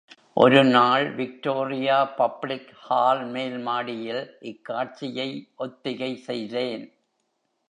ஒரு நாள் Victoria public hall மேல் மாடியில், இக்காட்சியை ஒத்திகை செய்தேன்.